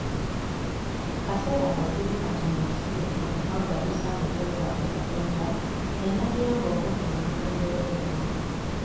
Kaseera kazibu kati mu nsi yonna wabula tusaanye twekwate Katonda y'anaatuyamba okuvvuunuka embeera eno.